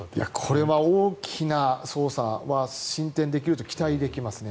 これは大きな捜査進展できると期待できますね。